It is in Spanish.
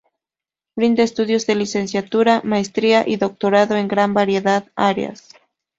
Brinda estudios de Licenciatura, Maestría y Doctorado en gran variedad áreas.